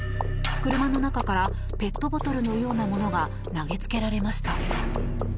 車の中からペットボトルのようなものが投げつけられました。